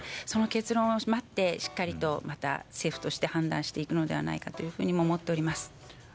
その結論を待ってしっかりとまた政府として判断していくのではないかというふうに思っております。